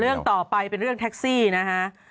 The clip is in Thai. เรื่องต่อไปเป็นเรื่องแท็กซี่นะฮะ